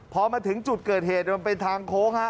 พอมาถึงจุดเกิดเหตุมันเป็นทางโค้งฮะ